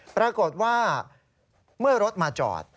ปรากฏว่าเมื่อรถมาจอด